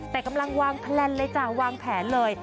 แต่กำลังวางแพลนเลยจ้ะวางแผนเลย